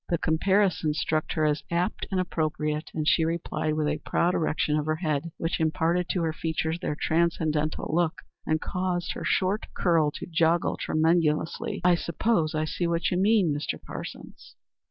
The comparison struck her as apt and appropriate, and she replied with a proud erection of her head, which imparted to her features their transcendental look, and caused her short curl to joggle tremulously, "I suppose I see what you mean, Mr. Parsons."